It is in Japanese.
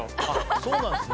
そうなんですね。